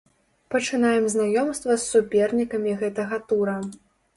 Пачынаем знаёмства з супернікамі гэтага тура.